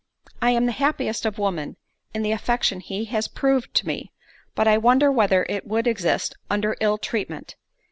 I am the happiest of women in the affection he has proved to me, but I wonder whether it would exist under ill treatment?